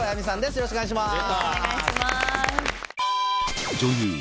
よろしくお願いします。